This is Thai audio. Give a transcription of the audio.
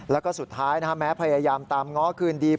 แล้วก็สุดท้ายแม้พยายามตามง้อคืนดี